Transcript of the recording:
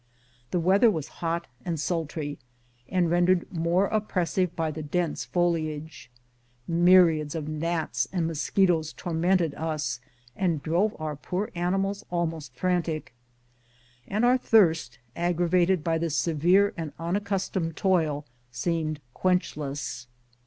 The weather was hot and^ sultry, and rendered more oppressive by the dense foliage ; myriads of gnats and mosquitoes tor mented us and drove our poor animals almost frantic ; and our thirst, aggravated by the severe and unaccus tomed toil, seemed quenchless.